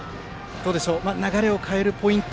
流れを変えるポイント